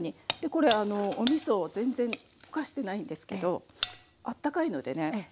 これおみそを全然溶かしてないんですけどあったかいのでね